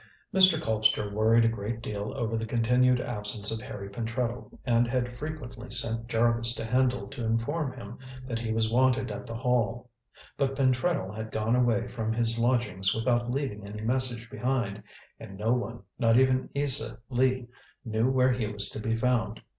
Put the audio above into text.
Mr. Colpster worried a great deal over the continued absence of Harry Pentreddle, and had frequently sent Jarvis to Hendle to inform him that he was wanted at the Hall. But Pentreddle had gone away from his lodgings without leaving any message behind, and no one not even Isa Lee knew where he was to be found.